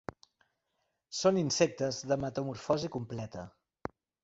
Són insectes de metamorfosi completa.